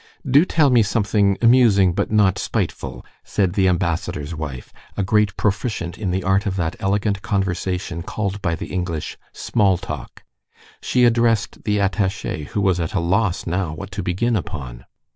"Do tell me something amusing but not spiteful," said the ambassador's wife, a great proficient in the art of that elegant conversation called by the English small talk. She addressed the attaché, who was at a loss now what to begin upon.